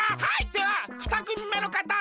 ではふたくみめのかたどうぞ！